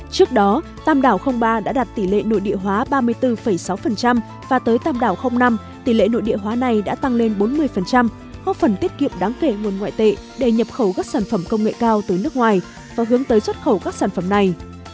trước đó tam đảo ba đã đạt tỷ lệ nội địa hóa ba mươi bốn sáu và tới tam đảo năm tỷ lệ nội địa hóa này đã tăng lên bốn mươi góp phần tiết kiệm đáng kể nguồn ngoại tệ để nhập khẩu các sản phẩm công nghệ cao tới nước ngoài và hướng tới xuất khẩu các sản phẩm này